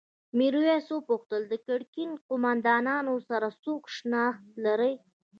میرويس وپوښتل د ګرګین قوماندانانو سره څوک شناخت لري؟